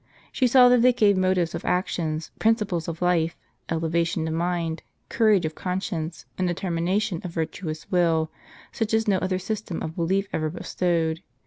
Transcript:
She saw that it gave motives of actions, principles of life, elevation of mind, courage of con science, and determination of virtuous will, such as no other system of belief ever bestowed.